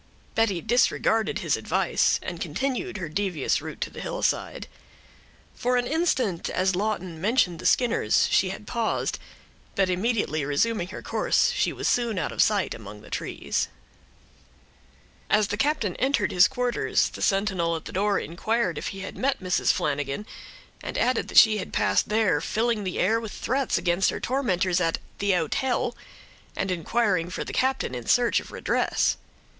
Betty disregarded his advice, and continued her devious route to the hillside. For an instant, as Lawton mentioned the Skinners, she had paused, but immediately resuming her course, she was soon out of sight, among the trees. As the captain entered his quarters, the sentinel at the door inquired if he had met Mrs. Flanagan, and added that she had passed there, filling the air with threats against her tormentors at the "Hotel," and inquiring for the captain in search of redress.